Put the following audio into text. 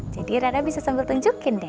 jadi rara bisa sambil tunjukin deh